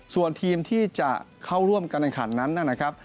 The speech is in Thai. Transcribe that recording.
ส่วนทีมที่จะเข้าร่วมการแข่งขันนั้นนะครับ